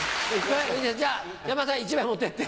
じゃあ山田さん１枚持ってって。